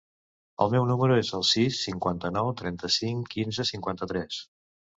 El meu número es el sis, cinquanta-nou, trenta-cinc, quinze, cinquanta-tres.